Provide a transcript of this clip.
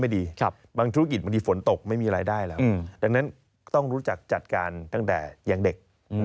ดังนั้นต้องรู้จักจัดการตั้งแต่อย่างเด็ก